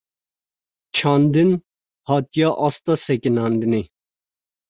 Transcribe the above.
Çandin, hatiye asta sekinandinê